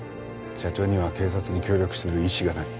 社長には警察に協力する意思がない。